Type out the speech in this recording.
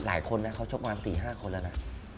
หลายคนนะเค้าชกมา๔๕คนแล้วนะ